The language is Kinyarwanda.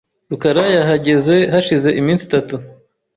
rukara yahageze hashize iminsi itatu .